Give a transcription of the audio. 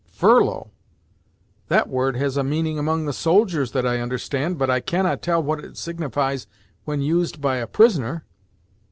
"Furlough! That word has a meaning among the soldiers that I understand; but I cannot tell what it signifies when used by a prisoner."